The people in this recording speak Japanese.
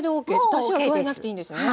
だしは加えなくていいんですね？